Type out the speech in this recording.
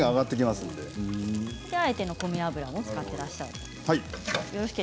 それであえての米油を使っていらっしゃる。